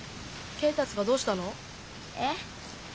恵達がどうしたの？え？